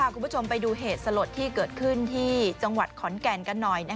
คุณผู้ชมไปดูเหตุสลดที่เกิดขึ้นที่จังหวัดขอนแก่นกันหน่อย